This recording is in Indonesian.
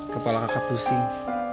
kepala kakak pusing